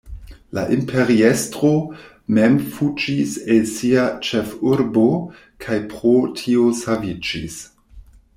La imperiestro mem fuĝis el sia ĉefurbo kaj pro tio saviĝis.